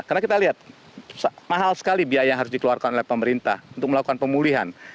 karena kita lihat mahal sekali biaya yang harus dikeluarkan oleh pemerintah untuk melakukan pemulihan